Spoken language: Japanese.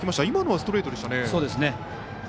今のはストレートでしたね。